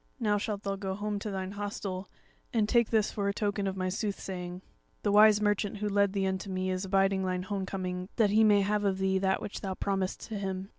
Now shalt thou go home to thine hostel, and take this for a token of my sooth saying. The wise merchant who led thee unto me is abiding thine homecoming that he may have of thee that which thou promisedst to him.